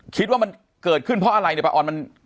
คิดว่ามันเกิดขึ้นเพราะอะไรเนี่ยป้าออนมัน